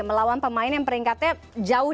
melawan pemain yang peringkatnya jauh